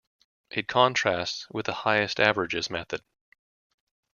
It contrasts with the highest averages method.